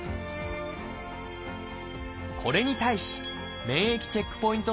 これに対し免疫チェックポイント